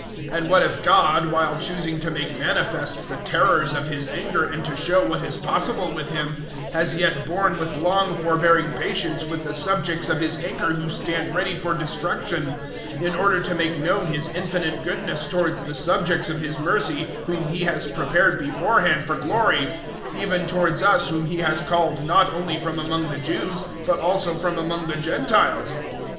009:022 And what if God, while choosing to make manifest the terrors of His anger and to show what is possible with Him, has yet borne with long forbearing patience with the subjects of His anger who stand ready for destruction, 009:023 in order to make known His infinite goodness towards the subjects of His mercy whom He has prepared beforehand for glory, 009:024 even towards us whom He has called not only from among the Jews but also from among the Gentiles?